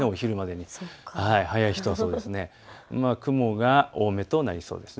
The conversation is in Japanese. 雲が多めとなりそうです。